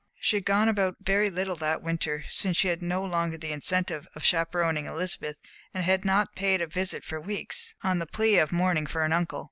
She had gone about very little that winter, since she had no longer the incentive of chaperoning Elizabeth, and had not paid a visit for weeks, on the plea of mourning for an uncle.